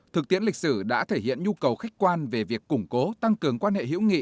thực tiễn lịch sử đã thể hiện nhu cầu khách quan về việc củng cố tăng cường quan hệ hữu nghị